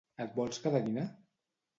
Et vols quedar a dinar?